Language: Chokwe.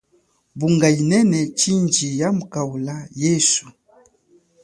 Mbunga inene chindji ya mukaula yesu.